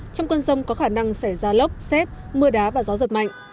trong cơn rông có khả năng xảy ra lốc xét mưa đá và gió giật mạnh